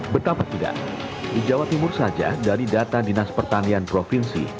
betapa tidak di jawa timur saja dari data dinas pertanian provinsi